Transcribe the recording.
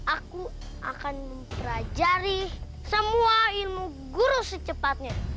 aku akan mempelajari semua ilmu guru secepatnya